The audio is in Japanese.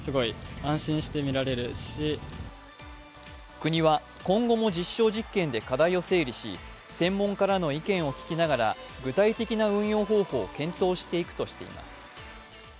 国は今後も実証実験で課題を整理し、専門家らの意見を聞きながら具体的な運用方法を検討していくとしています。